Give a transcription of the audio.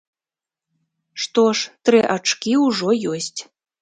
Што ж, тры ачкі ўжо ёсць.